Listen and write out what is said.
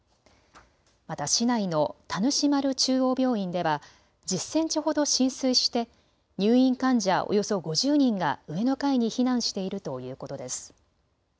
また市内の田主丸中央病院では１０センチほど浸水して入院患者、およそ５０人が上の階に避難しているということです。